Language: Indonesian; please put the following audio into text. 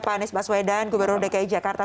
pak anies baswedan gubernur dki jakarta